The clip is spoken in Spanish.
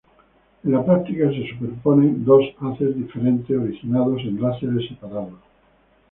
En la práctica, se superponen dos haces diferentes originados en láseres separados.